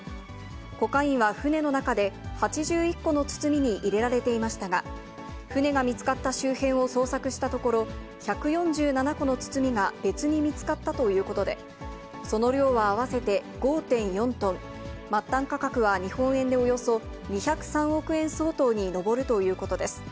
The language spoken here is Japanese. コカインは船の中で８１個の包みに入れられていましたが、船が見つかった周辺を捜索したところ、１４７個の包みが別に見つかったということで、その量は合わせて５．４トン、末端価格は日本円でおよそ２０３億円相当に上るということです。